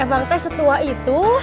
emang teh setua itu